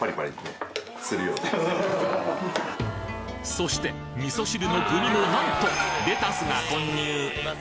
そして味噌汁の具にもなんとレタスが混入